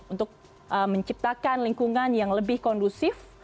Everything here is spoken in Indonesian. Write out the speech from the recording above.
untuk menciptakan lingkungan yang lebih kondusif